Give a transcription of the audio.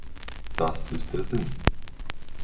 Das ist der Sinn.